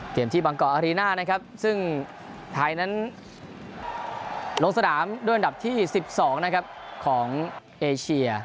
ที่บางกอกอารีน่านะครับซึ่งไทยนั้นลงสนามด้วยอันดับที่๑๒นะครับของเอเชีย